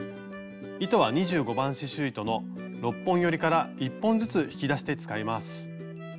糸は２５番刺しゅう糸の６本よりから１本ずつ引き出して使います。